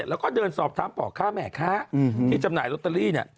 แล้วก็เดินสอบถามปค่าแหม้ค้าที่จำหน่ายรตรี